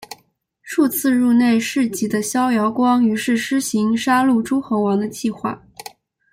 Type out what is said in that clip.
数次入内侍疾的萧遥光于是施行杀戮诸侯王的计划。